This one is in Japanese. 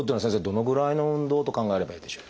どのぐらいの運動と考えればいいでしょうか？